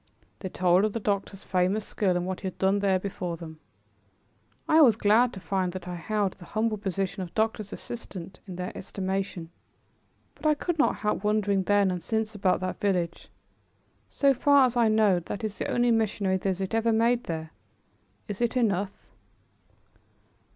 They told of the doctor's famous skill and what he had done there before them. I was glad to find that I held the humble position of doctor's assistant in their estimation. But I could not help wondering then and since about that village. So far as I know that is the only missionary visit ever made there. Is it enough?